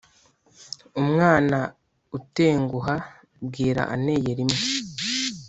Umwana utenguha bwira aneye rimwe.